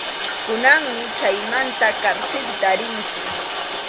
Kunanmi chaymanta karsilta rinki.